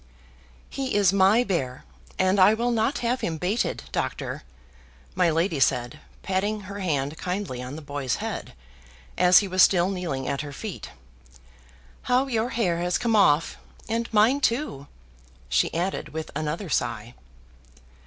"He is MY bear, and I will not have him baited, Doctor," my lady said, patting her hand kindly on the boy's head, as he was still kneeling at her feet. "How your hair has come off! And mine, too," she added with another sigh.